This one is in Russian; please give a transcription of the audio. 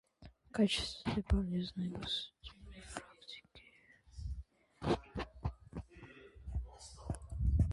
В качестве полезной консультативной практики Совет продолжал также проводить интерактивные диалоги.